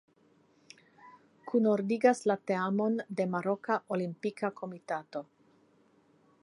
Kunordigas la teamon la Maroka Olimpika Komitato.